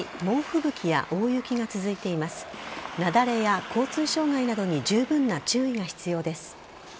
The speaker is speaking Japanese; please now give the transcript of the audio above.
雪崩や交通障害などに十分な注意が必要です。